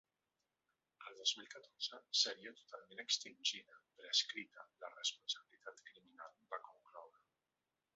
“El dos mil catorze seria totalment extingida, prescrita, la responsabilitat criminal”, va concloure.